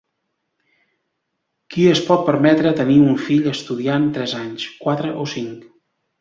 Qui es pot permetre tenir un fill estudiant tres anys, quatre o cinc?